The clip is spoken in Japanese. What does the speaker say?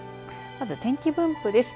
まず天気分布です。